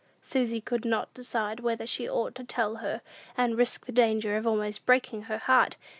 Susy could not decide whether she ought to tell her, and risk the danger of almost breaking her heart!